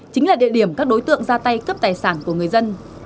chính là địa điểm các đối tượng ra tay cướp tài sản của người dân